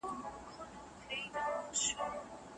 په جوماتونو کي باید د کرکې خبري ونه سي.